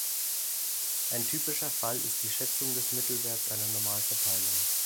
Ein typischer Fall ist die Schätzung des Mittelwerts einer Normalverteilung.